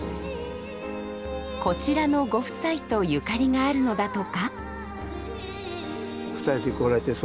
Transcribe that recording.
こちらのご夫妻とゆかりがあるのだとか？